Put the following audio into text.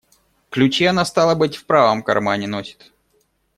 Ключи она, стало быть, в правом кармане носит.